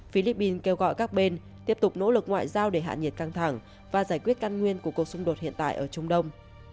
philippines kêu gọi các bên tiếp tục nỗ lực ngoại giao để hạ nhiệt căng thẳng và giải quyết căn nguyên của cuộc xung đột hiện tại ở trung đông